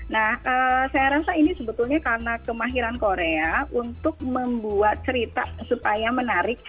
nah saya rasa ini sebetulnya karena kemahiran korea untuk membuat cerita supaya menarik